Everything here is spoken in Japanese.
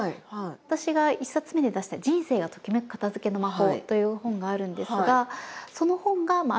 私が１冊目で出した「人生がときめく片づけの魔法」という本があるんですがその家が大きい。